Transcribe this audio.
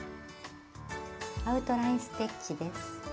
「アウトライン・ステッチ」です。